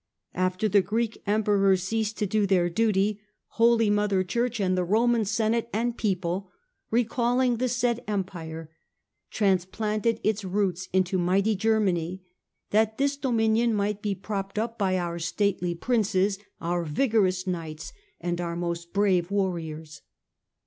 After the Greek Emperors ceased to do their duty, Holy Mother Church THE CHILD OF MOTHER CHURCH 37 and the Roman Senate and people, recalling the said Empire, transplanted its root into mighty Germany, that this dominion might be propped up by our stately princes, our vigorous knights, and our most brave warriors.